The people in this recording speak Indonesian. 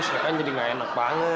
saya kan jadi gak enak banget